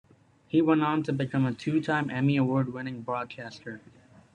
He went on to become a two-time Emmy Award winning Broadcaster.